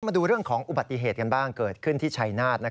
มาดูเรื่องของอุบัติเหตุกันบ้างเกิดขึ้นที่ชัยนาธ